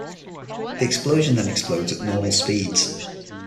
The explosion then explodes at normal speed.